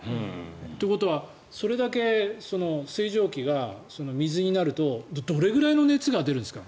ということはそれだけ水蒸気が水になるとどれくらいの熱が出るんですか。